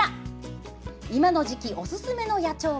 今の時期おすすめの野鳥は？